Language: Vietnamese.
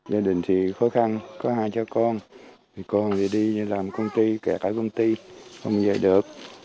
gia đình thì khó khăn có hai cháu con con thì đi làm công ty kẹt ở công ty không về được